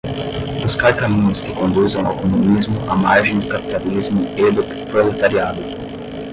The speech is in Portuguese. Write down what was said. buscar caminhos que conduzam ao comunismo à margem do capitalismo e do proletariado